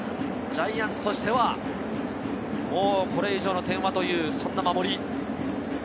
ジャイアンツとしては、これ以上の点はというそんな守り。